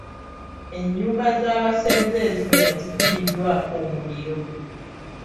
Ennyumba z'abasenze eziwera zikumiddwako omuliro.